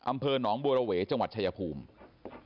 อำเภอหนองบัวระเวจังหวัดชายภูมิ